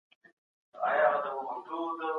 په دغه ودانۍ کي یو غیرتي ځوان اوسیږي.